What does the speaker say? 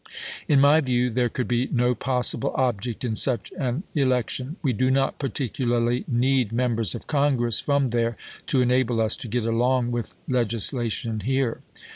In my ^de"w there could be no possible object in such an election. We do not particularly need Members of Congress from there to enable us to get along with legislation here.